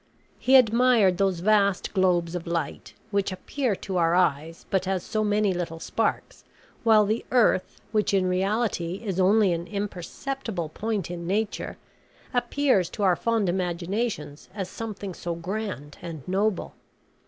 He admired those vast globes of light, which appear to our eyes but as so many little sparks, while the earth, which in reality is only an imperceptible point in nature, appears to our fond imaginations as something so grand and noble.